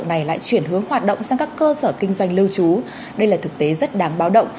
kinh doanh lưu trú đây là thực tế rất đáng báo động